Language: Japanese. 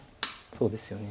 そうですよね